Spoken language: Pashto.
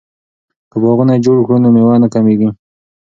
که باغونه جوړ کړو نو میوه نه کمیږي.